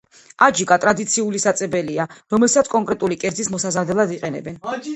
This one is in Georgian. აჯიკა ტრადიციული საწებელია, რომელსაც კონკრენტული კერძის მოსამზადებლად იყენებენ.